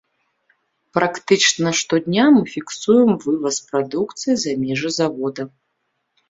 Практычна штодня мы фіксуем вываз прадукцыі за межы завода.